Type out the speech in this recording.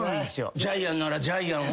ジャイアンならジャイアンを？